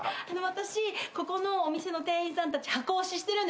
私ここのお店の店員さんたち箱推ししてるんです。